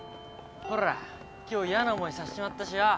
ほら今日やな思いさせちまったしよ。